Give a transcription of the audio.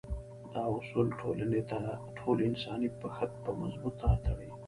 دا اصول ټول انساني پښت په مضبوط تار تړي.